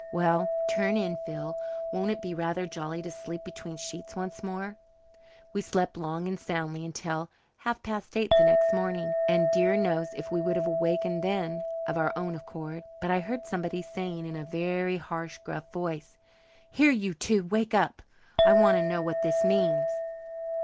Well, turn in, Phil. Won't it be rather jolly to sleep between sheets once more?" We slept long and soundly until half past eight the next morning; and dear knows if we would have wakened then of our own accord. But I heard somebody saying in a very harsh, gruff voice, "Here, you two, wake up! I want to know what this means."